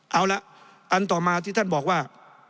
เอาละอันต่อมาที่ท่านบอกว่า